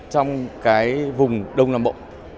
trong cái vùng đông nam bộ